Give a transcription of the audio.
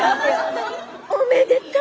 おめでとう。